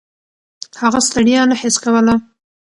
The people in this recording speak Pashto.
هغه ستړیا نه حس کوله.